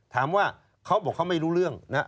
ถามว่าเขาบอกเขาไม่รู้เรื่องนะ